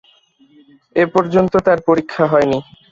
এ পর্যন্ত তার পরীক্ষা হয় নি।